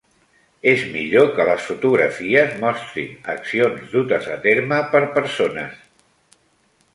És millor que les fotografies mostrin accions dutes a terme per persones.